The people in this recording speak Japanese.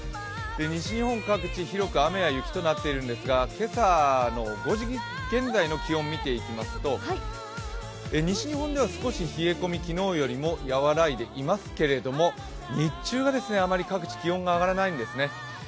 西日本各地、広く雨や雪となっているんですが今朝の５時現在の気温を見ていきますと西日本では少し冷え込み、昨日よりも和らいでいますけど日中があまり各地、気温が上がらないんですね。